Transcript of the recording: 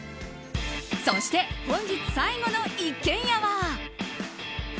そして本日最後の一軒家は。